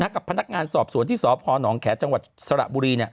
กับพนักงานสอบสวนที่สพนแขจังหวัดสระบุรี